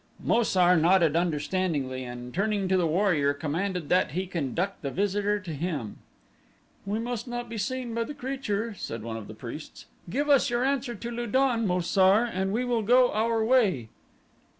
Mo sar nodded understandingly and turning to the warrior commanded that he conduct the visitor to him. "We must not be seen by the creature," said one of the priests. "Give us your answer to Lu don, Mo sar, and we will go our way."